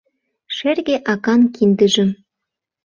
Шерге акан киндыжым